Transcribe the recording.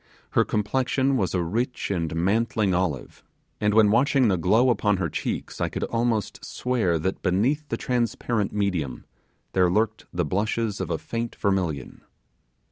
Her complexion was a rich and mantling olive, and when watching the glow upon her cheeks I could almost swear that beneath the transparent medium there lurked the blushes of a faint vermilion.